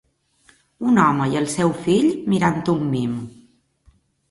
Un home i el seu fill mirant un mim.